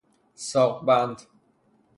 ساق بند